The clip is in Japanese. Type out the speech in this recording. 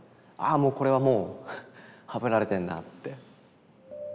もうこれはもうはぶられてんなって。